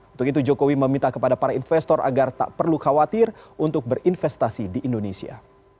untuk itu jokowi meminta kepada para investor agar tak perlu khawatir untuk berinvestasi di indonesia